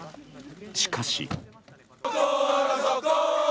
しかし。